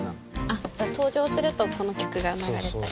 あっ登場するとこの曲が流れたり。